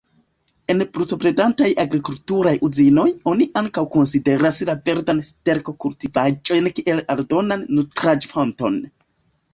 En bruto-bredantaj agrikulturaj uzinoj, oni ankaŭ konsideras la verdan sterko-kultivaĵojn kiel aldonan nutraĵ-fonton.